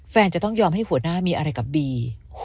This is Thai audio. จะต้องยอมให้หัวหน้ามีอะไรกับบี